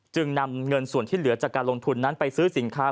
จึงนำเงินส่วนที่เหลือจากการลงทุนนั้นไปซื้อสินค้า